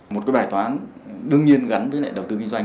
một bài toán đương nhiên gắn với nền đầu tư kinh doanh